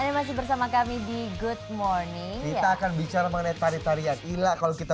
animasi bersama kami di good morning kita akan bicara mengenai tari tarian ilah kalau kita